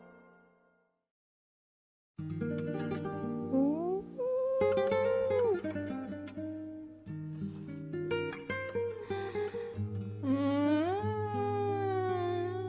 うんうん！